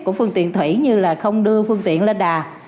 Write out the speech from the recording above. của phương tiện thủy như là không đưa phương tiện lên đà